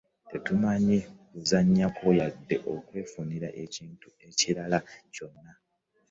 Tetumanyi kuzannyako yadde okwefunira ekintu ekirala kyonna.